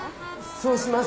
そうします。